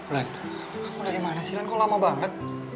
len kamu udah dimana sih len kok lama banget